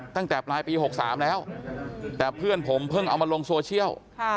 ตั้งแต่ปลายปี๖๓แล้วแต่เพื่อนผมเพิ่งเอามาลงโซเชียล